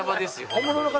本物の方。